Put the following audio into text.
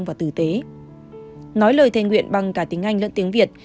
nói lời thề nguyện bằng cả tiếng anh lẫn tiếng việt